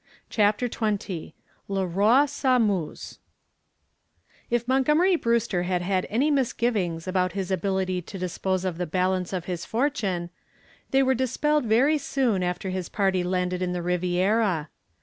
CHAPTER XX LE ROI S'AMUSE If Montgomery Brewster had had any misgivings about his ability to dispose of the balance of his fortune they were dispelled very soon after his party landed in the Riviera.